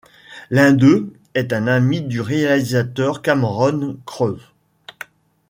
L'un d'eux est un ami du réalisateur Cameron Crowe.